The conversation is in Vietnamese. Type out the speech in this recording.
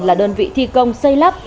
là đơn vị thi công xây lắp